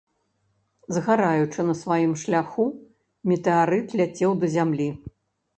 Згараючы на сваім шляху, метэарыт ляцеў да зямлі.